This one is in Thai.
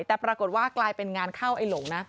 แต่ปรากฏว่ากลายเป็นงานเข้าไอ้หลงนะ